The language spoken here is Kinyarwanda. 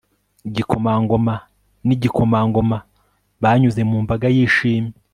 igikomangoma nigikomangoma banyuze mu mbaga yishimye